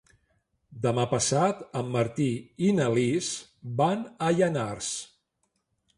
Demà passat en Martí i na Lis van a Llanars.